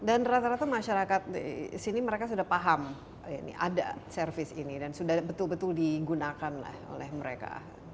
dan rata rata masyarakat di sini mereka sudah paham ada service ini dan sudah betul betul digunakan oleh mereka